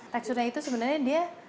teksturnya itu sebenarnya dia